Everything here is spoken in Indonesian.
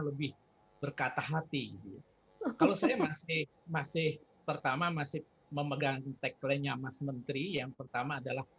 lebih berkata hati kalau saya masih masih pertama masih memegang tagline nya mas menteri yang pertama adalah